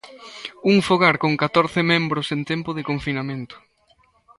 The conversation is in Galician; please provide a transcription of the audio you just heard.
Un fogar con catorce membros en tempo de confinamento.